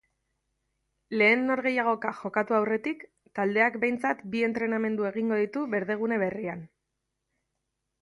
Lehen norgehiagoka jokatu aurretik, taldeak behintzat bi entrenamendu egingo ditu berdegune berrian.